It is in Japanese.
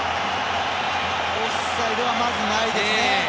オフサイドはまずないです。